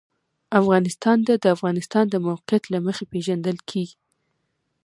افغانستان د د افغانستان د موقعیت له مخې پېژندل کېږي.